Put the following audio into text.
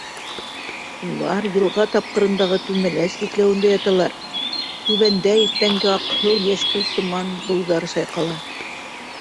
Улар йылға тапҡырындағы түмәләс битләүендә яталар, түбәндә иртәнге аҡһыл-йәшкелт томан быуҙары сайҡала.